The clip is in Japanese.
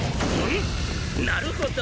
なるほど。